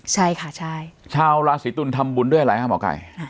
ใช่ค่ะใช่ชาวราศีตุลทำบุญด้วยอะไรฮะหมอไก่